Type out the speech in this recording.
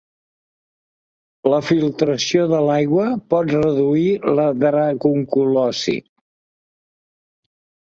La filtració de l'aigua pot reduir la dracunculosi.